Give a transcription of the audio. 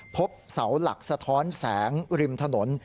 พบเสาหลักสะท้อนแสงริมถนน